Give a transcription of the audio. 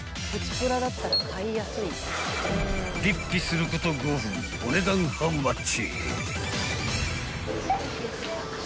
［ピッピすること５分お値段ハウマッチ？］